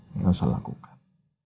hanya elsa lakukan